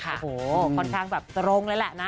โอ้โหค่อนข้างแบบตรงเลยแหละนะ